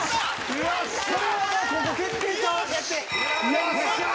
よっしゃー！